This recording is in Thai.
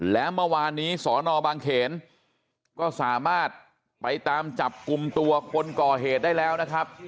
และเมื่อวานนี้สอนอบางเขนก็สามารถไปตามจับกลุ่มตัวคนก่อเหตุได้แล้วนะครับ